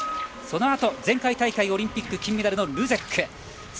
そのあと前回大会オリンピック金メダルのルゼック。